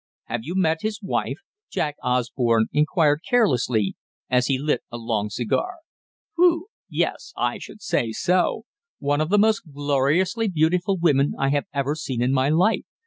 "Have you met his wife?" Jack Osborne inquired carelessly, as he lit a long cigar. "Phew! Yes. I should say so. One of the most gloriously beautiful women I have ever seen in my life.